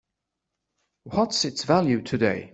What's its value today?